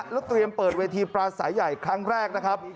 แล้วเตรียมเปิดเวทีปลาสายใหญ่ครั้งแรกนะครับ